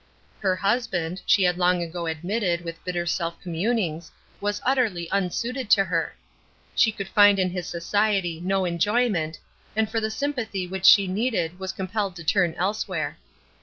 Her husband, she had long ago admitted, with bitter self communings, was utterly unsuited to her. She could find in his society no enjoyment, and for the sympathy which she needed was compelled to turn elsewhere.